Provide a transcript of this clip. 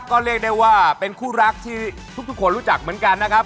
ก็เรียกได้ว่าเป็นคู่รักที่ทุกคนรู้จักเหมือนกันนะครับ